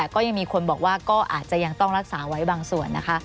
ก็ยังมีคนบอกว่าก็อาจจะยังต้องรักษาไว้บางส่วนนะคะ